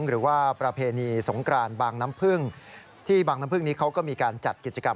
หรือว่าประเพณีสงกรานบางน้ำพึ่งที่บางน้ำพึ่งนี้เขาก็มีการจัดกิจกรรม